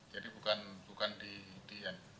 jadi bukan di